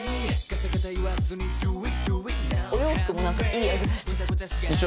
「お洋服もなんかいい味出してる」